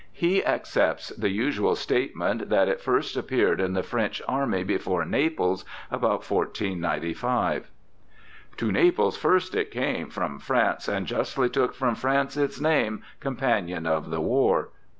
He accepts the usual statement that it first appeared in the French army before Naples about 1495. To Naples first it came From France, and justly took from France his name, Companion of the War.